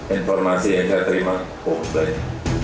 informasi yang saya terima komplain